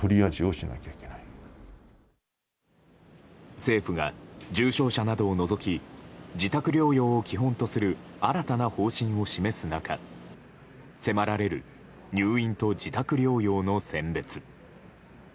政府が重症者などを除き自宅療養を基本とする新たな方針を示す中迫られる、入院と自宅療養の選別。